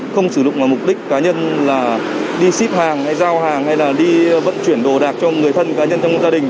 không sử dụng vào mục đích cá nhân là đi ship hàng hay giao hàng hay là đi vận chuyển đồ đạc cho người thân cá nhân trong gia đình